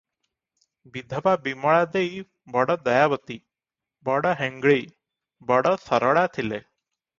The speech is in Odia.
ବିଧବା ବିମଳା ଦେଇ ବଡ଼ ଦୟାବତୀ, ବଡ଼ ହେଙ୍ଗ୍ଳୀ, ବଡ଼ ସରଳା ଥିଲେ ।